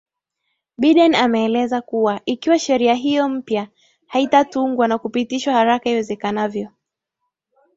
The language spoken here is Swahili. biden ameeleza kuwa ikiwa sheria hiyo mpya haitatungwa na kupitishwa haraka iwezekanavyo